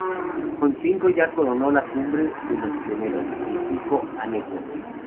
Con cinco ya coronó la cumbre de los Pirineos, el Pico Aneto.